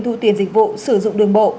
thu tiền dịch vụ sử dụng đường bộ